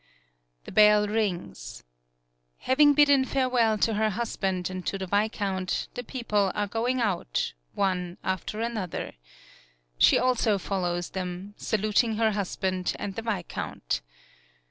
The bell rings. Having bidden fare well to her husband and to the viscount the people are going out, one after an 63 PAULOWNIA other. She also follows them, saluting her husband and the viscount.